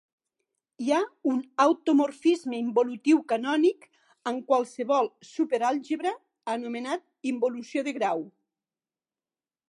Hi ha un automorfisme involutiu canònic en qualsevol super àlgebra anomenat involució de grau.